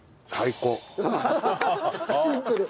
シンプル。